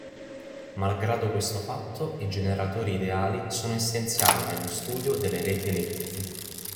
Malgrado questo fatto, i generatori ideali sono essenziali nello studio delle reti elettriche.